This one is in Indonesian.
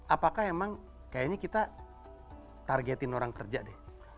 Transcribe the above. apakah emang kayaknya kita targetin orang kerja deh